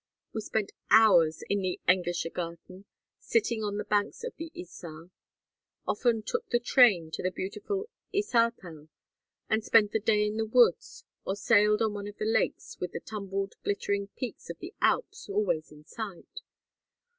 We spent hours in the Englischergarten, sitting on the banks of the Isar; often took the train to the beautiful Isarthal and spent the day in the woods; or sailed on one of the lakes with the tumbled glittering peaks of the Alps always in sight.